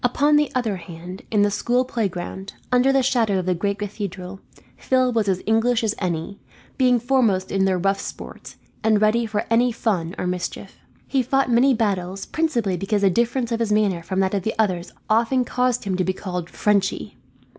Upon the other hand, in the school playground, under the shadow of the grand cathedral, Phil was as English as any; being foremost in their rough sports, and ready for any fun or mischief. He fought many battles, principally because the difference of his manner from that of the others often caused him to be called "Frenchy."